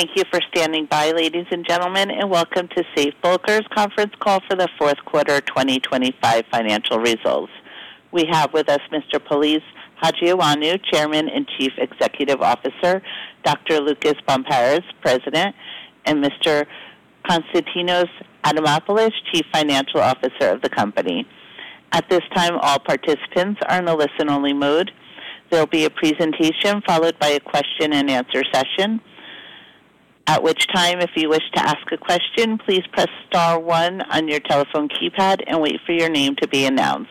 Thank you for standing by, ladies and gentlemen, and welcome to Safe Bulkers conference call for the Q4 2025 financial results. We have with us Mr. Polys Hajioannou, Chairman and Chief Executive Officer, Dr. Loukas Barmparis, President, and Mr. Konstantinos Adamopoulos, Chief Financial Officer of the company. At this time, all participants are in a listen-only mode. There will be a presentation followed by a question and answer session. At which time, if you wish to ask a question, please press star one on your telephone keypad and wait for your name to be announced.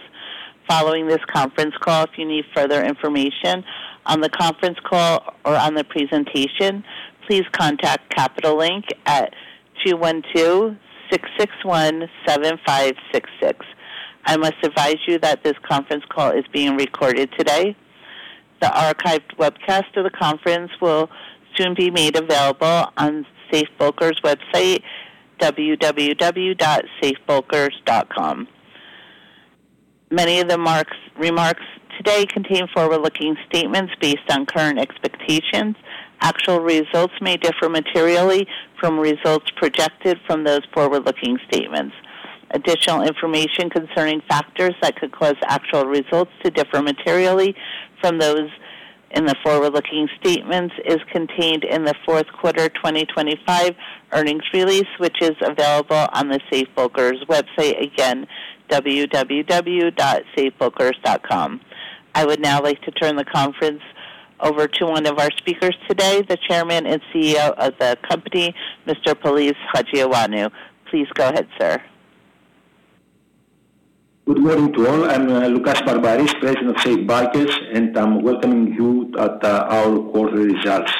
Following this conference call, if you need further information on the conference call or on the presentation, please contact Capital Link at 212-661-7566. I must advise you that this conference call is being recorded today. The archived webcast of the conference will soon be made available on Safe Bulkers website, www.safebulkers.com. Many of the remarks today contain forward-looking statements based on current expectations. Actual results may differ materially from results projected from those forward-looking statements. Additional information concerning factors that could cause actual results to differ materially from those in the forward-looking statements is contained in the Q4 2025 earnings release, which is available on the Safe Bulkers website. Again, www.safebulkers.com. I would now like to turn the conference over to one of our speakers today, the Chairman and CEO of the company, Mr. Polys Hajioannou. Please go ahead, sir. Good morning to all. I'm Loukas Barmparis, President of Safe Bulkers, and I'm welcoming you at our quarter results.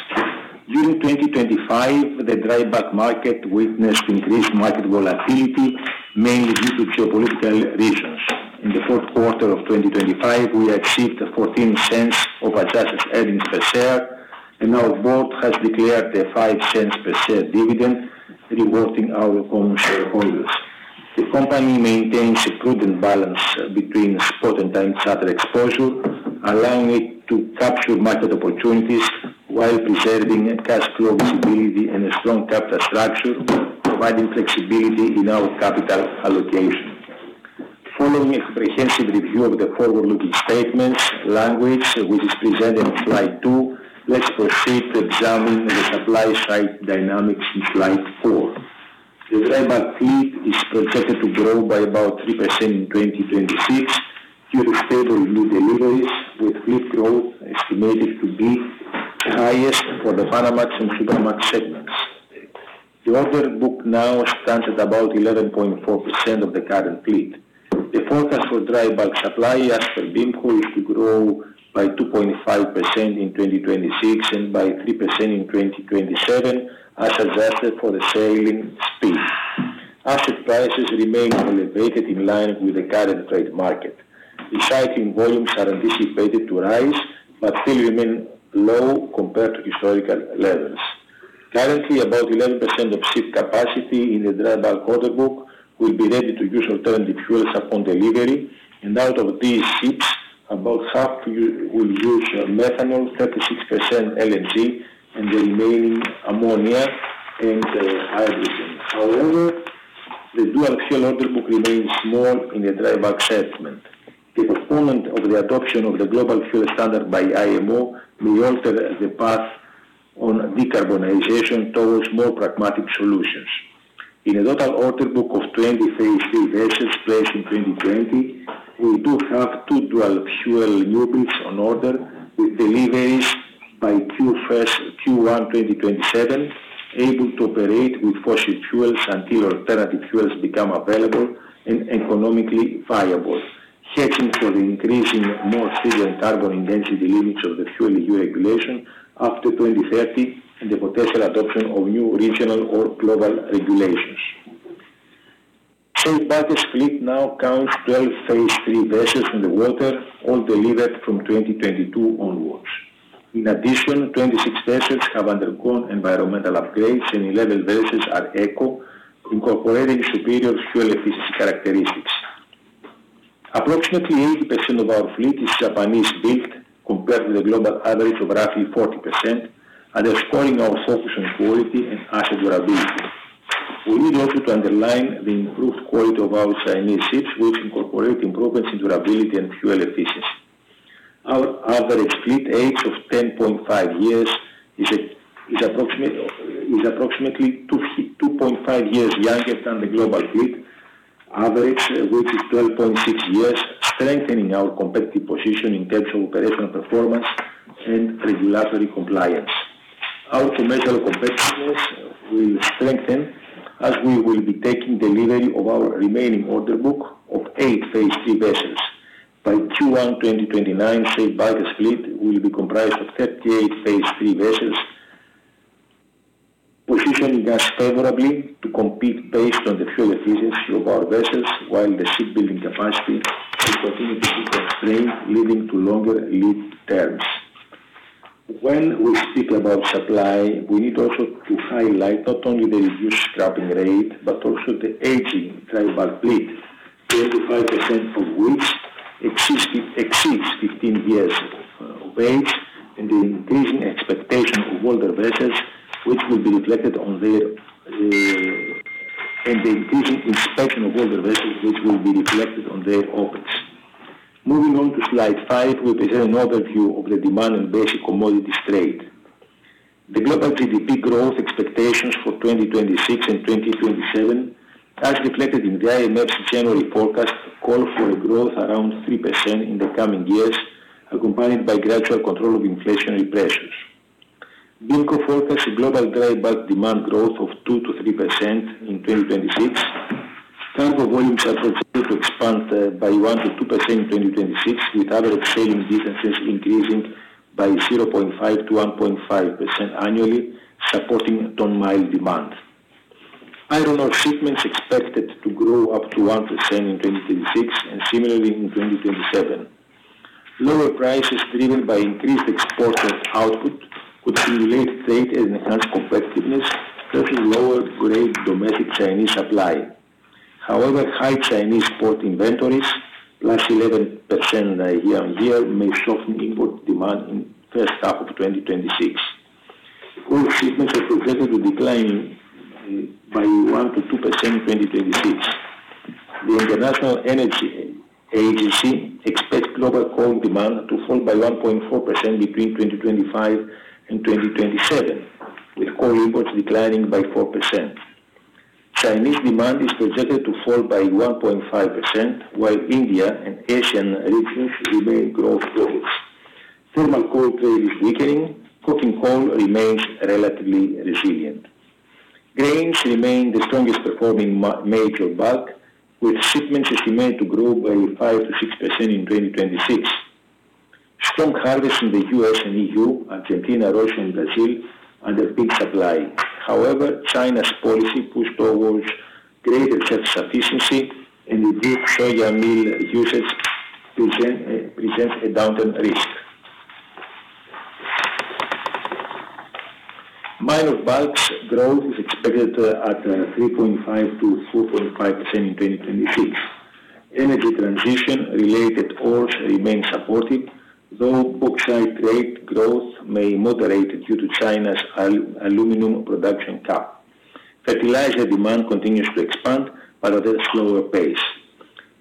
During 2025, the dry bulk market witnessed increased market volatility, mainly due to geopolitical reasons. In the Q4 of 2025, we achieved $0.14 of adjusted earnings per share, and our board has declared a $0.05 per share dividend, rewarding our common shareholders. The company maintains a prudent balance between spot and time charter exposure, allowing it to capture market opportunities while preserving a cash flow visibility and a strong capital structure, providing flexibility in our capital allocation. Following a comprehensive review of the forward-looking statements, language, which is presented on slide two, let's proceed to examine the supply side dynamics in slide four. The dry bulk fleet is projected to grow by about 3% in 2026 due to stable new deliveries, with fleet growth estimated to be highest for the Panamax and Supramax segments. The order book now stands at about 11.4% of the current fleet. The forecast for dry bulk supply as per BIMCO is to grow by 2.5% in 2026 and by 3% in 2027, as adjusted for the sailing speed. Asset prices remain elevated in line with the current trade market. Recycling volumes are anticipated to rise, but still remain low compared to historical levels. Currently, about 11% of ship capacity in the dry bulk order book will be ready to use alternative fuels upon delivery, and out of these ships, about half will use methanol, 36% LNG, and the remaining ammonia and hydrogen. However, the dual fuel order book remains small in the dry bulk segment. The postponement of the adoption of the global fuel standard by IMO may alter the path on decarbonization towards more pragmatic solutions. In a total order book of 20 Phase three vessels placed in 2020, we do have two dual fuel newbuilds on order, with deliveries by Q1 2027, able to operate with fossil fuels until alternative fuels become available and economically viable, hedging for the increasingly more stringent carbon intensity limits of the fuel regulation after 2030 and the potential adoption of new regional or global regulations. Safe Bulkers fleet now counts 12 Phase three vessels in the water, all delivered from 2022 onwards. In addition, 26 vessels have undergone environmental upgrades and 11 vessels are Eco, incorporating superior fuel efficiency characteristics. Approximately 80% of our fleet is Japanese-built, compared to the global average of roughly 40%, underscoring our focus on quality and asset durability. We need also to underline the improved quality of our Chinese ships, which incorporate improvements in durability and fuel efficiency. Our average fleet age of 10.5 years is approximately 2.5 years younger than the global fleet average, which is 12.6 years, strengthening our competitive position in terms of operational performance and regulatory compliance. Our commercial competitiveness will strengthen as we will be taking delivery of our remaining order book of 8 phase three vessels. By Q1 2029, Safe Bulkers fleet will be comprised of 38 phase three vessels. Positioning us favorably to compete based on the fuel efficiency of our vessels, while the shipbuilding capacity will continue to be constrained, leading to longer lead terms. When we speak about supply, we need also to highlight not only the reduced scrapping rate, but also the aging dry bulk fleet... 35% of which exceeds 15 years of age, and the increasing expectation of older vessels, which will be reflected on the, and the increasing inspection of older vessels, which will be reflected on their ops. Moving on to slide five, we present an overview of the demand and basic commodities trade. The global GDP growth expectations for 2026 and 2027, as reflected in the IMF's January forecast, call for a growth around 3% in the coming years, accompanied by gradual control of inflationary pressures. BIMCO forecasts a global dry bulk demand growth of 2% to 3% in 2026. Cargo volumes are projected to expand by 1% to 2% in 2026, with average sailing distances increasing by 0.5% to 1.5% annually, supporting tonne-mile demand. Iron ore shipments expected to grow up to 1% in 2026, and similarly in 2027. Lower prices, driven by increased exporter output, could stimulate trade and enhance competitiveness, especially lower-grade domestic Chinese supply. However, high Chinese port inventories, +11% year-on-year, may soften import demand in first half of 2026. Coal shipments are projected to decline by 1% to 2% in 2026. The International Energy Agency expects global coal demand to fall by 1.4% between 2025 and 2027, with coal imports declining by 4%. Chinese demand is projected to fall by 1.5%, while India and Asian regions remain growth pockets. Thermal coal trade is weakening. Coking coal remains relatively resilient. Grains remain the strongest performing major bulk, with shipments estimated to grow by 5% to 6% in 2026. Strong harvest in the US and EU, Argentina, Russia, and Brazil under peak supply. However, China's policy push towards greater self-sufficiency and reduced soya meal usage presents a downturn risk. Minor bulks growth is expected at 3.5% to 4.5% in 2026. Energy transition-related ores remain supported, though bauxite trade growth may moderate due to China's aluminum production cap. Fertilizer demand continues to expand, but at a slower pace.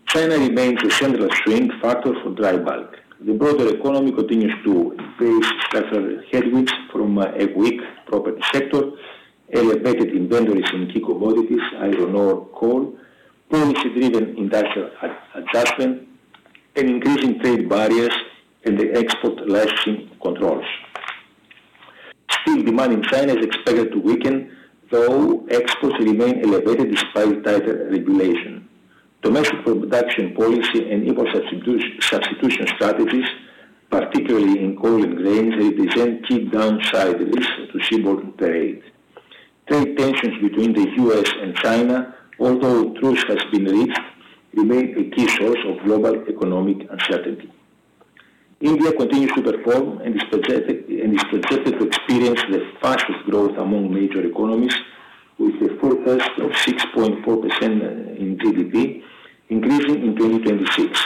China remains a central strength factor for dry bulk. The broader economy continues to face structural headwinds from a weak property sector, elevated inventories in key commodities, iron ore, coal, policy-driven industrial adjustment, and increasing trade barriers and the export licensing controls. Steel demand in China is expected to weaken, though exports remain elevated despite tighter regulation. Domestic production policy and import substitution strategies, particularly in coal and grains, represent key downside risk to seaborne trade. Trade tensions between the U.S. and China, although truce has been reached, remain a key source of global economic uncertainty. India continues to perform and is projected to experience the fastest growth among major economies, with a forecast of 6.4% in GDP increasing in 2026.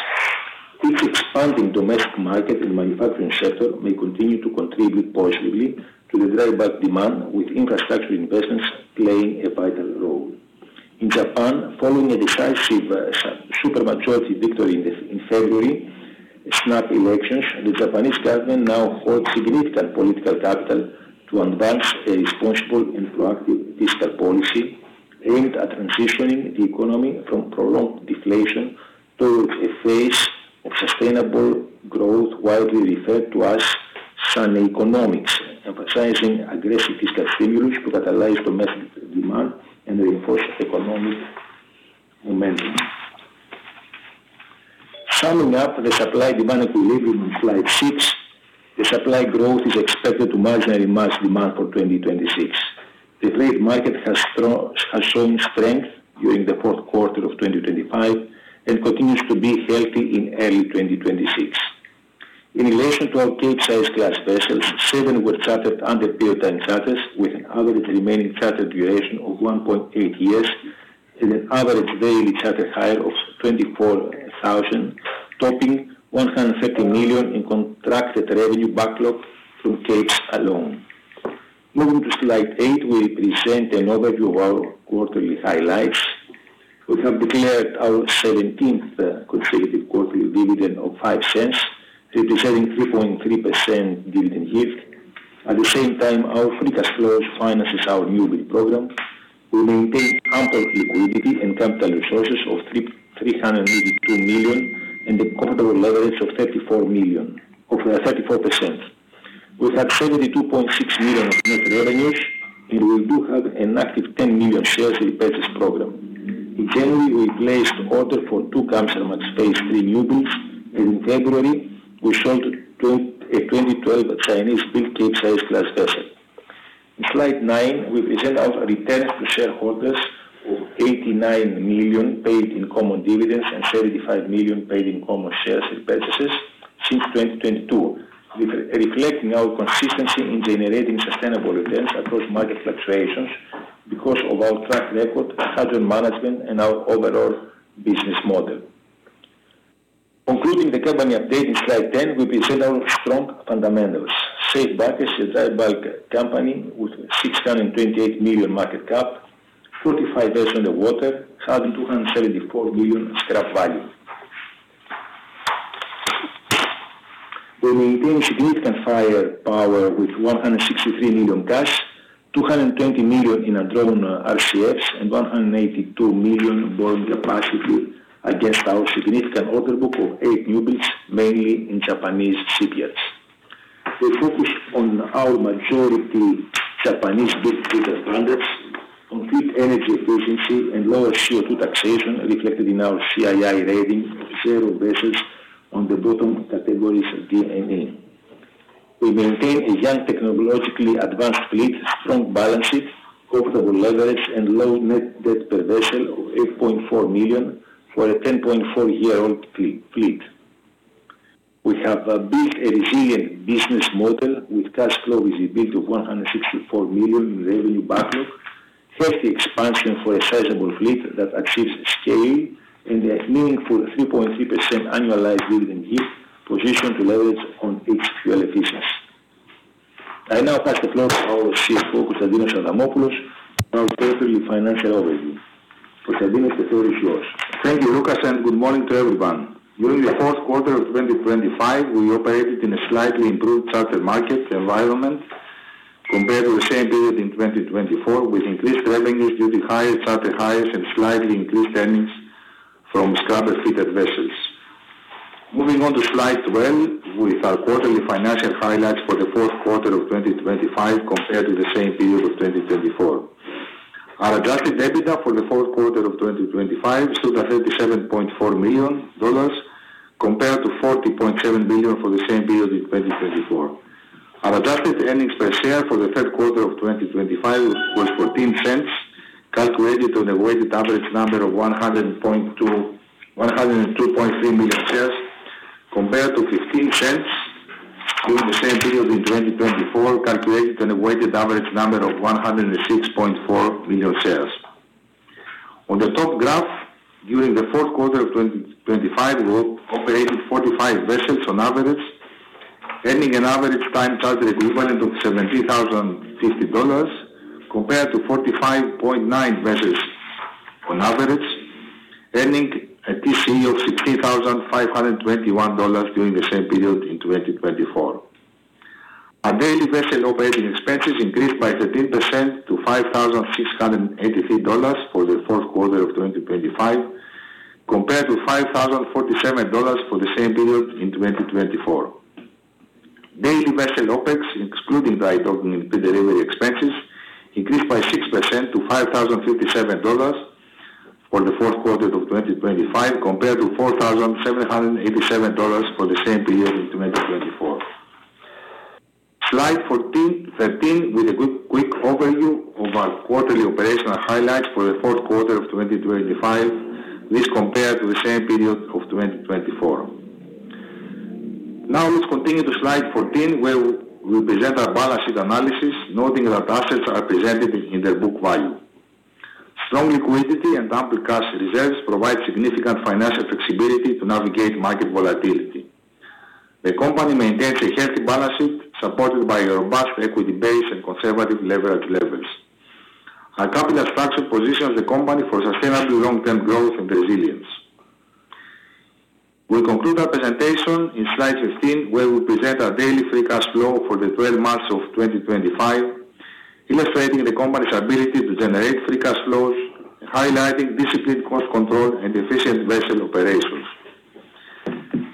Its expanding domestic market and manufacturing sector may continue to contribute positively to the dry bulk demand, with infrastructure investments playing a vital role. In Japan, following a decisive super majority victory in the in February snap elections, the Japanese government now holds significant political capital to advance a responsible and proactive fiscal policy aimed at transitioning the economy from prolonged deflation towards a phase of sustainable growth, widely referred to as sound economics, emphasizing aggressive fiscal stimulus to catalyze domestic demand and reinforce economic momentum. Summing up the supply-demand equilibrium on slide 6, the supply growth is expected to marginally match demand for 2026. The freight market has shown strength during the Q4 of 2025 and continues to be healthy in early 2026. In relation to our Capesize class vessels, seven were chartered under period time charters, with an average remaining charter duration of 1.8 years and an average daily charter hire of $24,000, topping $130 million in contracted revenue backlog from Capes alone. Moving to slide eight, we present an overview of our quarterly highlights. We have declared our seventeenth consecutive quarterly dividend of $0.05, representing 3.3% dividend yield. At the same time, our free cash flow finances our newbuild program. We maintain ample liquidity and capital resources of $382 million, and a comfortable leverage of 34%. We have $72.6 million of net revenues, and we do have an active $10 million shares repurchase program. In January, we placed order for two Kamsarmax Phase III newbuilds, and in February, we sold a 2012 Chinese-built Capesize class vessel. In slide nine, we present our returns to shareholders of $89 million paid in common dividends and $35 million paid in common shares and purchases. Since 2022, reflecting our consistency in generating sustainable returns across market fluctuations because of our track record, asset management, and our overall business model. Concluding the company update in slide 10, we present our strong fundamentals. Safe Bulkers is a bulk company with $628 million market cap, 45 days on the water, $1,274 million scrap value. We maintain significant firepower with $163 million cash, $220 million in undrawn RCFs, and $182 million borrowing capacity against our significant order book of eight newbuilds, mainly in Japanese shipyards. We focus on our majority Japanese-built standards on fleet energy efficiency and lower CO2 taxation, reflected in our CII rating of several vessels on the bottom categories of D and E. We maintain a young, technologically advanced fleet, strong balance sheet, comfortable leverage, and low net debt per vessel of $8.4 million for a 10.4-year-old fleet. We have built a resilient business model with cash flow visibility of $164 million in revenue backlog, hefty expansion for a sizable fleet that achieves scale, and a meaningful 3.3% annualized building yield positioned to leverage on its fuel efficiency. I now pass the floor to our CFO, Konstantinos Adamopoulos, for our quarterly financial overview. Konstantinos, the floor is yours. Thank you, Loukas, and good morning to everyone. During the Q4 of 2025, we operated in a slightly improved charter market environment compared to the same period in 2024, with increased revenues due to higher charter hires and slightly increased earnings from scrubber-fitted vessels. Moving on to slide 12, with our quarterly financial highlights for the Q4 of 2025 compared to the same period of 2024. Our adjusted EBITDA for the Q4 of 2025 stood at $37.4 million, compared to $40.7 million for the same period in 2024. Our adjusted earnings per share for the Q3 of 2025 was $0.14, calculated on a weighted average number of 102.3 million shares, compared to $0.15 during the same period in 2024, calculated on a weighted average number of 106.4 million shares. On the top graph, during the Q4 of 2025, we operated 45 vessels on average, earning an average time charter equivalent of $17,050, compared to 45.9 vessels on average, earning a TCE of $16,521 during the same period in 2024. Our daily vessel operating expenses increased by 13% to $5,683 for the Q4 of 2025, compared to $5,047 for the same period in 2024. Daily vessel OpEx, excluding drydocking delivery expenses, increased by 6% to $5,057 for the Q4 of 2025, compared to $4,787 for the same period in 2024. Slide 14 to 13, with a quick overview of our quarterly operational highlights for the Q4 of 2025, this compared to the same period of 2024. Now, let's continue to slide 14, where we present our balance sheet analysis, noting that assets are presented in their book value. Strong liquidity and ample cash reserves provide significant financial flexibility to navigate market volatility. The company maintains a healthy balance sheet, supported by a robust equity base and conservative leverage levels. Our capital structure positions the company for sustainable long-term growth and resilience. We conclude our presentation in slide 15, where we present our daily free cash flow for the 12 months of 2025, illustrating the company's ability to generate free cash flows, highlighting disciplined cost control and efficient vessel operations.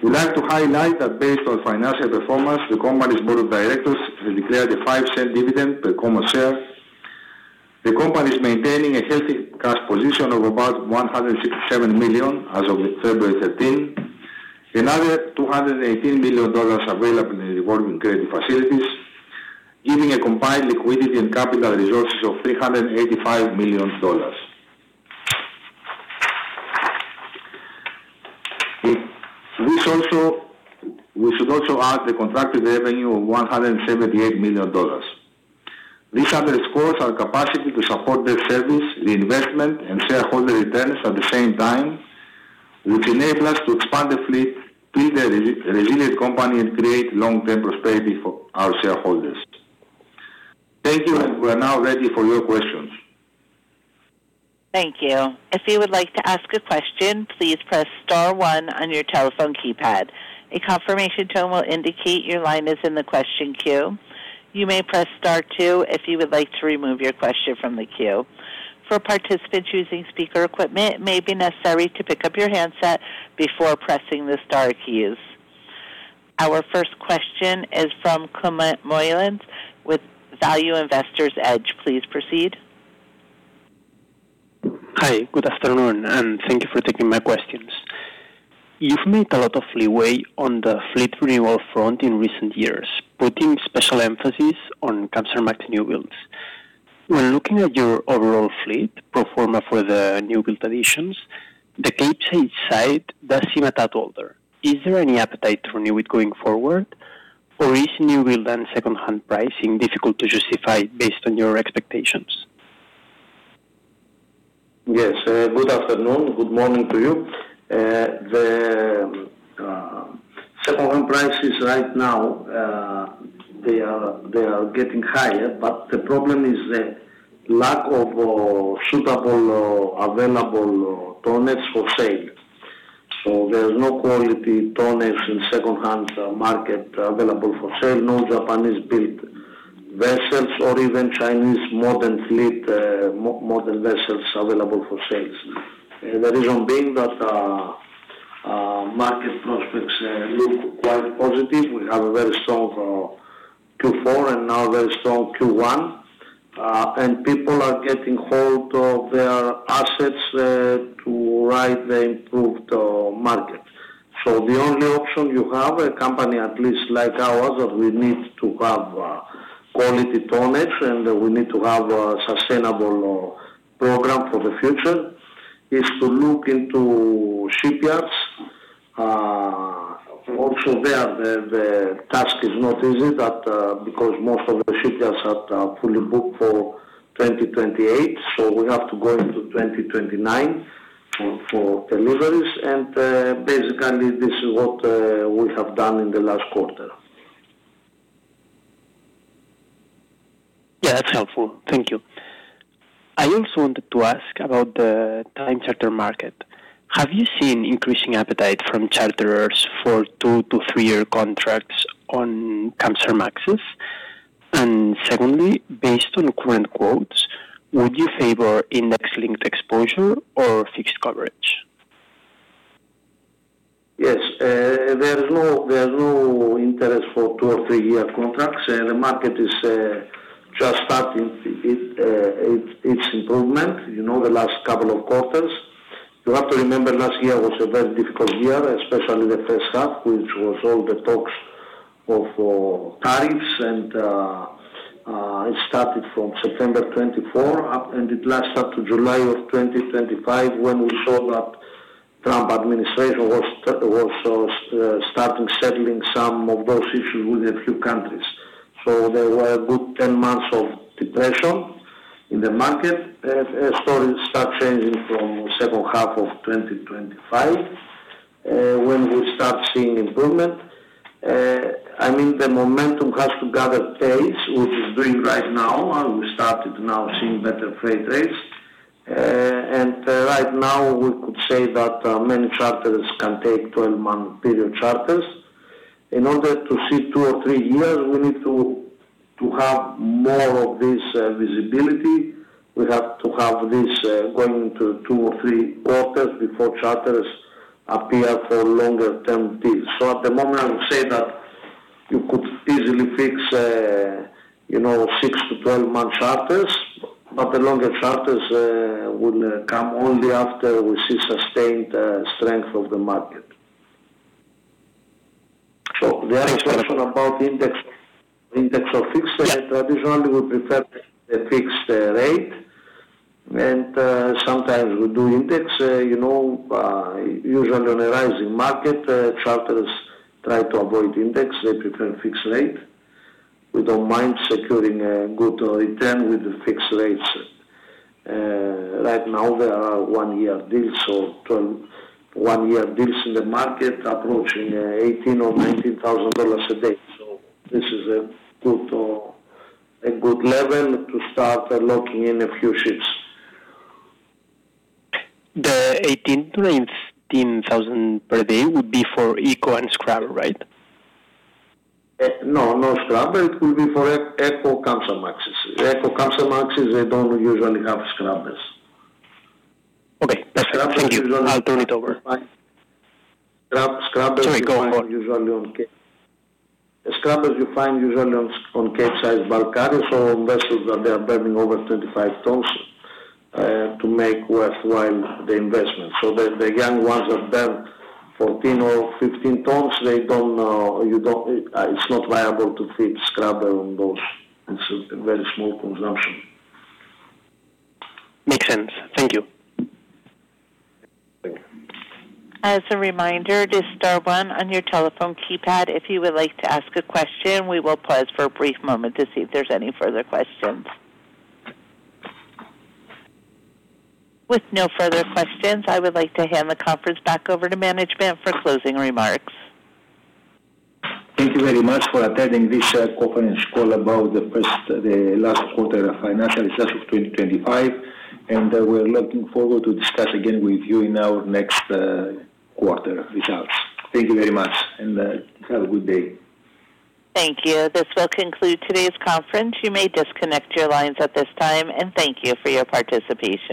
We'd like to highlight that based on financial performance, the company's board of directors has declared a $0.05 dividend per common share. The company is maintaining a healthy cash position of about $167 million as of February 13. Another $218 million available in revolving credit facilities, giving a combined liquidity and capital resources of $385 million. We should also add the contracted revenue of $178 million. This underscores our capacity to support debt service, reinvestment, and shareholder returns at the same time, which enable us to expand the fleet, build a resilient company, and create long-term prosperity for our shareholders. Thank you, and we are now ready for your questions. Thank you. If you would like to ask a question, please press star one on your telephone keypad. A confirmation tone will indicate your line is in the question queue. You may press star two if you would like to remove your question from the queue. For participants using speaker equipment, it may be necessary to pick up your handset before pressing the star keys. Our first question is from Climent Molins with Value Investor's Edge. Please proceed. Hi, good afternoon, and thank you for taking my questions. You've made a lot of leeway on the fleet renewal front in recent years, putting special emphasis on Kamsarmax newbuilds. When looking at your overall fleet pro forma for the newbuild additions, the Capesize does seem a tad older. Is there any appetite to renew it going forward, or is newbuild and secondhand pricing difficult to justify based on your expectations? Yes. Good afternoon. Good morning to you. The second-hand prices right now, they are getting higher, but the problem is the lack of suitable available tonnages for sale. So there is no quality tonnages in secondhand market available for sale, no Japanese-built vessels or even Chinese modern fleet, modern vessels available for sales. And the reason being that market prospects look quite positive. We have a very strong Q4 and now very strong Q1. People are getting hold of their assets to ride the improved market. So the only option you have, a company, at least like ours, that we need to have quality tonnage, and we need to have a sustainable program for the future, is to look into shipyards. Also there, the task is not easy, but because most of the shipyards are fully booked for 2028, so we have to go into 2029 for deliveries. And basically, this is what we have done in the last quarter. Yeah, that's helpful. Thank you. I also wanted to ask about the time charter market. Have you seen increasing appetite from charterers for two to three year contracts on Kamsarmaxes? And secondly, based on current quotes, would you favor index-linked exposure or fixed coverage? Yes. There is no, there is no interest for two or three-year contracts. The market is just starting its improvement, you know, the last couple of quarters. You have to remember last year was a very difficult year, especially the first half, which was all the talks of tariffs and it started from September 2024 up, and it last up to July of 2025, when we saw that Trump administration was starting settling some of those issues with a few countries. There were a good 10 months of depression in the market. Stories start changing from second half of 2025, when we start seeing improvement. I mean, the momentum has to gather pace, which is doing right now, and we started now seeing better freight rates. Right now, we could say that many charters can take 12-month period charters. In order to see two or three years, we need to have more of this visibility. We have to have this going into Q2 or Q3 before charters appear for longer-term deals. So at the moment, I would say that you could easily fix, you know, six to 12 month charters, but the longer charters would come only after we see sustained strength of the market. The other question about index or fixed, traditionally, we prefer the fixed rate, and sometimes we do index. You know, usually on a rising market, charters try to avoid index they prefer fixed rate. We don't mind securing a good return with the fixed rates. Right now, there are one-year deals or 12 one-year deals in the market, approaching $18,000 or $19,000 a day. So this is a good, a good level to start locking in a few ships. The $18,000 to 19,000 per day would be for Eco and Scrubber, right? No, no scrubber. It will be for Eco Kamsarmaxes. Eco Kamsarmaxes, they don't usually have scrubbers. Okay. That's clear. Thank you. I'll turn it over. Scrubbers- Sorry, go on. Usually on Capes. Scrubbers, you find usually on Capesize bulk carriers or vessels that they are burning over 25 tons to make worthwhile the investment. So the young ones that burn 14 or 15 tons, they don't, it's not viable to fit scrubber on those. It's a very small consumption. Makes sense. Thank you. As a reminder, just star one on your telephone keypad, if you would like to ask a question. We will pause for a brief moment to see if there's any further questions. With no further questions, I would like to hand the conference back over to management for closing remarks. Thank you very much for attending this conference call about the first, the last quarter of financial results of 2025, and we're looking forward to discuss again with you in our next quarter results. Thank you very much, and have a good day. Thank you. This will conclude today's conference. You may disconnect your lines at this time, and thank you for your participation.